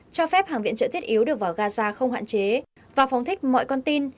cho phép hàng viện trợ thiết yếu được vào gaza không hạn chế và phóng thích mọi con tin